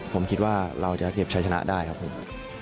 ผมคิดว่าเราจะเก็บใช้ชนะได้ครับผม